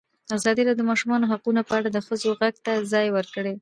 ازادي راډیو د د ماشومانو حقونه په اړه د ښځو غږ ته ځای ورکړی.